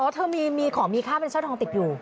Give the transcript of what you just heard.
เธอมีของมีค่าเป็นสร้อยทองติดอยู่